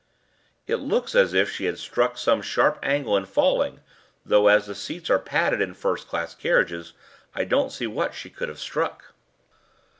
"It looks as if she had struck some sharp angle in falling, though, as the seats are padded in first class carriages, I don't see what she could have struck."